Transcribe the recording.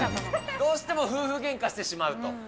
どうしても夫婦げんかしてしまうと。